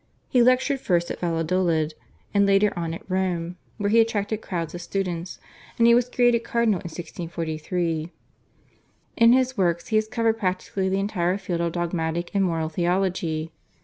He lectured first at Valladolid, and later on at Rome where he attracted crowds of students, and he was created cardinal in 1643. In his works he has covered practically the entire field of dogmatic and moral theology.